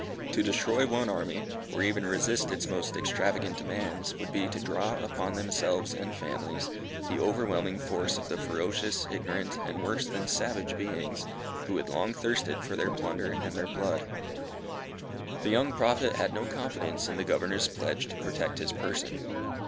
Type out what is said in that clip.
To destroy one army, or even resist its most extravagant demands, would be to draw upon themselves and families, the overwhelming forces of the ferocious, ignorant, and worse than savage beings, who had long thirsted for their plunder and their blood. The young Prophet had no confidence in the Governor's pledge to protect his person.